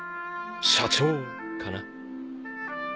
「社長」かな。